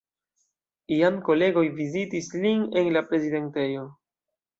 Iam kolegoj vizitis lin en la prezidentejo.